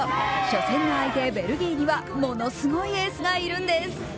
初戦の相手、ベルギーにはものすごいエースがいるんです。